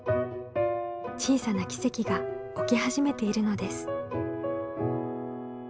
小さな奇跡が起き始めているのです。